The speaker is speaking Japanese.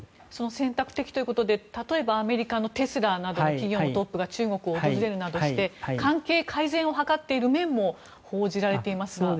選択的ということで例えばアメリカのテスラなどの企業のトップが中国を訪れるなどして関係改善を図っている面も報じられていますが。